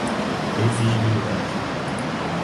exigibilidade